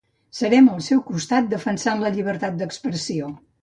Serem al seu costat defensant la llibertat d'expressió.